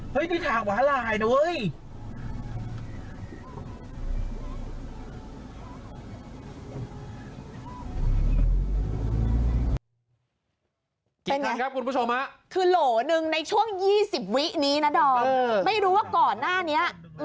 เฮ้ยที่ทางมาลัยนะเว้ย